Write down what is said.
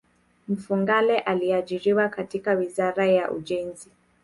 Mfugale aliajiriwa katika wizara ya ujenzi